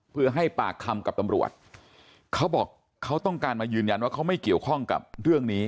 เพื่อให้ปากคำกับตำรวจเขาบอกเขาต้องการมายืนยันว่าเขาไม่เกี่ยวข้องกับเรื่องนี้